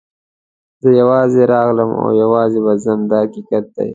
زه یوازې راغلم او یوازې به ځم دا حقیقت دی.